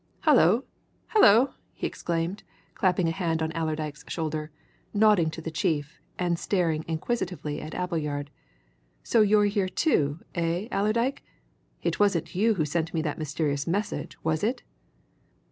"Hullo hullo!" he exclaimed, clapping a hand on Allerdyke's shoulder, nodding to the chief, and staring inquisitively at Appleyard. "So you're here, too, eh, Allerdyke? It wasn't you who sent me that mysterious message, was it?"